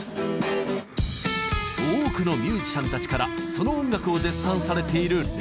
多くのミュージシャンたちからその音楽を絶賛されているＲｅｉ。